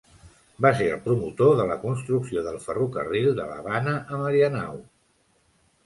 Va ser el promotor de la construcció del ferrocarril de l'Havana a Marianao.